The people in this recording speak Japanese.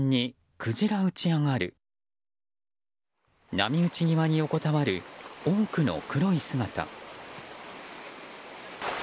波打ち際に横たわる多くの黒い姿。